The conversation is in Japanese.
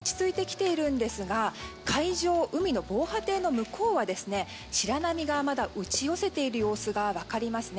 こちら、雨や風はもうだいぶ落ち着いてきているんですが海上、海の防波堤の向こうは白波がまだ打ち寄せている様子が分かりますね。